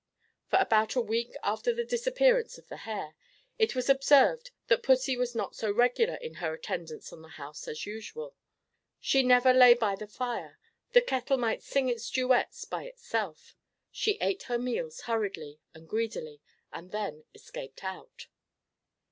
For about a week after the disappearance of the hare, it was observed, that pussy was not so regular in her attendance on the house as usual. She never lay by the fire the kettle might sing its duets by itself; she ate her meals hurriedly and greedily, and then escaped out.